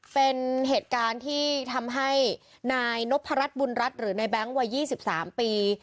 เป็นเหตุการณ์ที่ทำให้นายนพรรดบุญรัฐหรือในแบงค์วัยยี่สิบสามปี